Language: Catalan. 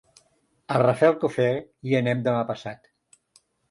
A Rafelcofer hi anem demà passat.